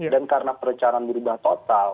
dan karena perencanaan berubah total